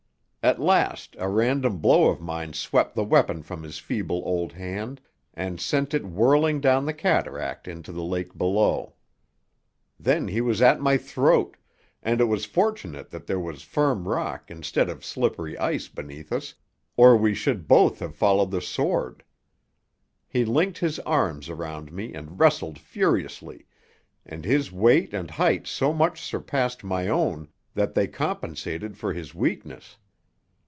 At last a random blow of mine swept the weapon from his feeble old hand and sent it whirling down the cataract into the lake below. Then he was at my throat, and it was fortunate that there was firm rock instead of slippery ice beneath us, or we should both have followed the sword. He linked his arms around me and wrestled furiously, and his weight and height so much surpassed my own that they compensated for his weakness.